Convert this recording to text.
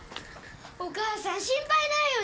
お母さん心配ないよ。